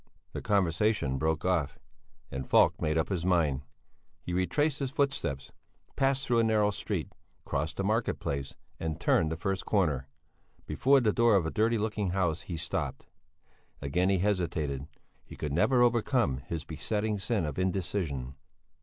The conversation broke off, and Falk made up his mind. He retraced his footsteps, passed through a narrow street, crossed a market place, and turned the first corner. Before the door of a dirty looking house he stopped. Again he hesitated; he could never overcome his besetting sin of indecision.